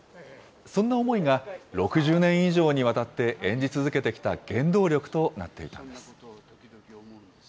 そんな思いが、６０年以上にわたって、演じ続けてきた原動力となっていたんです。